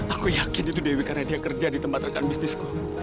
aku yakin itu dewi karena dia kerja di tempat rekan bisnisku